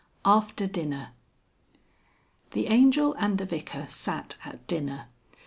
AFTER DINNER. XVIII. The Angel and the Vicar sat at dinner.